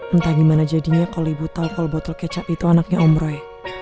entah gimana jadinya kalau ibu tau kalau botol kecap itu anaknya om roy